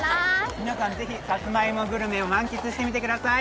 皆さん、ぜひさつまいもぐるめを堪能しちゃってください。